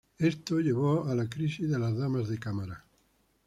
Esto llevó a la Crisis de las Damas de Cámara.